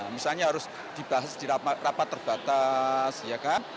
misalnya harus dibahas di rapat terbatas ya kan